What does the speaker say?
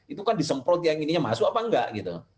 itu kan disemprot yang ininya masuk apa enggak gitu